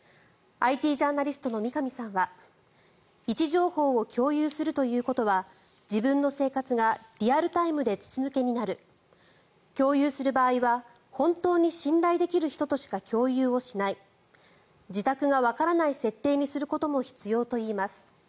ＩＴジャーナリストの三上さんは位置情報を共有するということは自分の生活がリアルタイムで筒抜けになる共有する場合は本当に信頼できる人としか共有をしない自宅がわからない設定にすることも必要といいます。